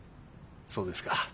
そうですか。